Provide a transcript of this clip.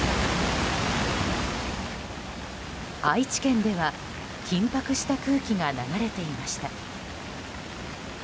愛知県では緊迫した空気が流れていました。